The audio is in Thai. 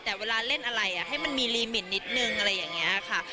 แต่เวลาเล่นอะไรให้มันมีรีหมินนิดนึงอะไรอย่างนี้ค่ะ